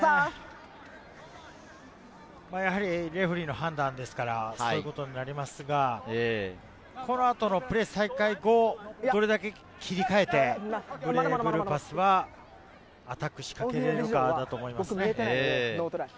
やはりレフェリーの判断ですから、そういうことになりますが、この後のプレー再開後、どれだけ切り替えて、ブレイブルーパスはアタックを仕掛けられるかだと思います。